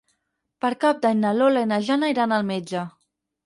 Per Cap d'Any na Lola i na Jana iran al metge.